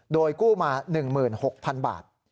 โดยกู้มา๑๖๐๐๐บาท